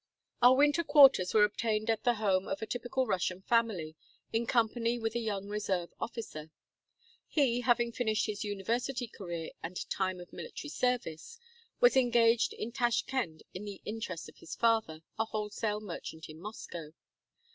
Our winter quarters were obtained at the home of a typical Russian family, in company with a young reserve officer. He, having finished his university career and time of military service, IV 107 OUR FERRY OVER THE ZERAFSHAN. was engaged in Tashkend in the interest of his father, a wholesale merchant in Moscow.